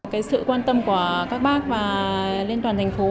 cái sự quan tâm của các bác và liên toàn thành phố